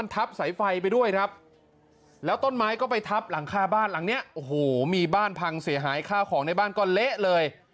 ทับสายไฟไปด้วยครับแล้วต้นไม้ก็ไปทับหลังคาบ้านหลังเนี้ยโอ้โหมีบ้านพังเสียหายข้าวของในบ้านก็เละเลย